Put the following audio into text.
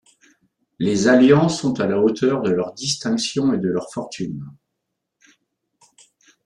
Les alliances sont à la hauteur de leur distinction et de leur fortune.